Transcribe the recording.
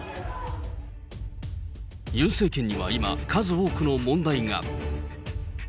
ユン政権には今、数多くの問題が。